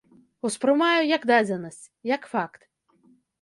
Успрымаю як дадзенасць, як факт.